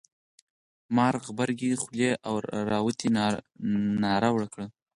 مار غبرگې خولې را وتې ناره وکړه.